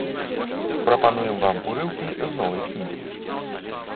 Прапануем вам урыўкі з новай кнігі.